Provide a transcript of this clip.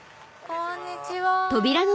こんにちは。